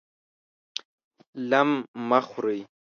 لم مه خورئ!